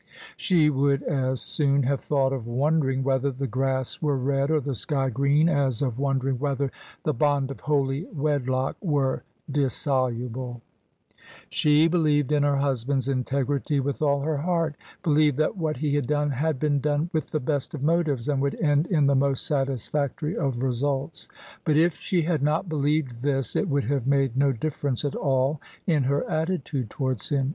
She would as soon have thought of wondering whether the grass were red or the sky green, as of wondering whether the bond of holy wedlock were dissoluble. OF ISABEL CARNABY She believed in her husband's integrity with all her heart: believed that what he had done had been done with the best of motives and would end in the most satisfactory of results. But if she had not believed this, it would have made no difference at all in her attitude towards him.